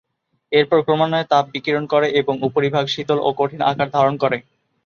এরপর ক্রমান্বয়ে তাপ বিকিরণ করে এবং উপরিভাগ শীতল ও কঠিন আকার ধারণ করে।